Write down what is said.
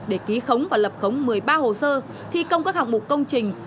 để ký khống và lập khống một mươi ba hồ sơ thi công các hạng mục công trình